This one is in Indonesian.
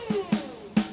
dia mencoba untuk mencoba